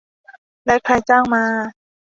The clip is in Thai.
และใครจ้างมา